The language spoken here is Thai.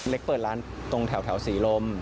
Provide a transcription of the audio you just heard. เล็กเปิดร้านเล็กเปิดตรงแถวศรีรม